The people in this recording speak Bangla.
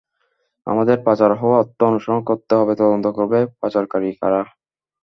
আমাদের পাচার হওয়া অর্থ অনুসরণ করতে হবে, তদন্ত করতে হবে পাচারকারী কারা।